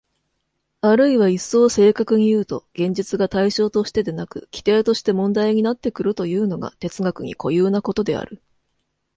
あるいは一層正確にいうと、現実が対象としてでなく基底として問題になってくるというのが哲学に固有なことである。